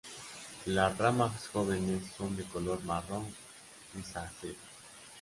Las ramas jóvenes son de color marrón grisáceo.